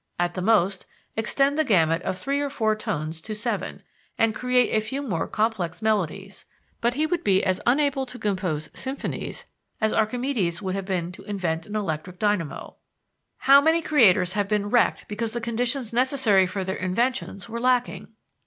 At the most, extend the gamut of three or four tones to seven, and create a few more complex melodies; but he would be as unable to compose symphonies as Archimedes would have been to invent an electric dynamo. How many creators have been wrecked because the conditions necessary for their inventions were lacking?